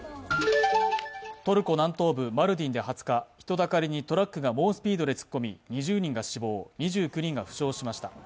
トルコ南東部、マルディンで２０日人だかりにトラックが猛スピードで突っ込み、２０人が死亡、２９人が負傷者しました。